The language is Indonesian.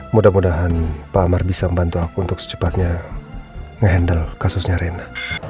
mudah mudahan pak amar bisa membantu aku untuk secepatnya nge handle kasusnya rena